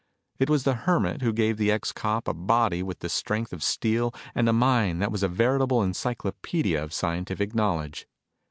It was the Hermit who gave the ex cop a body with the strength of steel and a mind that was a veritable encyclopedia of scientific knowledge.